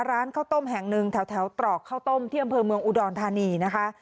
ร้านข้าวต้มแห่งหนึ่งแถวตรอกข้าวต้มที่อำเภอเมืองอุดรธานีนะคะ